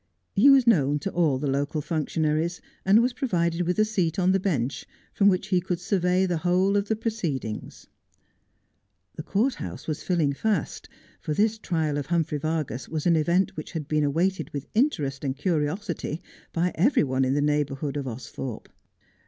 He was known to all the local functionaries, and was provided with a seat on the Bench, from which he could survey the whole of the proceedings. The court house was filling fast, for this trial of Humphrey Vargas was an event which had been awaited with interest and curiosity by everyone in the neighbourhood of Austhorpe.